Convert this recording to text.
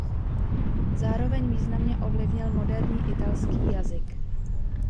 Zároveň významně ovlivnil moderní italský jazyk.